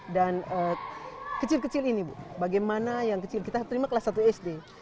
dan kecil kecil ini bagaimana yang kecil kita terima kelas satu sd